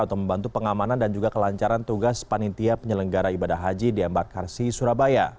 untuk membantu pengamanan dan juga kelancaran tugas panitia penyelenggara ibadah haji di embar karsi surabaya